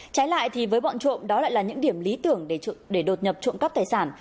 trái lại thì với bọn trộm đó lại là những điểm lý tưởng để đột nhập trộm cắp tài sản